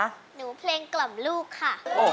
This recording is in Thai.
หนูเพลงกล่ำลูกค่ะ